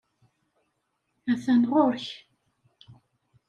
Atan ɣer-k.